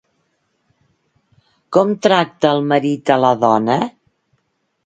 Com tracta el marit a la dona?